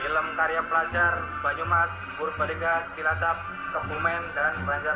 film karya pelajar banyumas purbalingga cilacap kepulmen dan pelancar negara